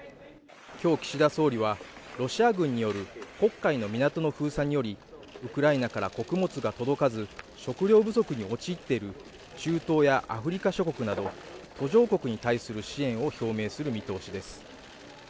今日岸田総理はロシア軍による黒海の港の封鎖によりウクライナから穀物が届かず食料不足に陥っている中東やアフリカ諸国など途上国に対する支援を表明する見通しです